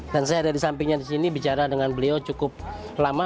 dan saya ada di sampingnya di sini bicara dengan beliau cukup lama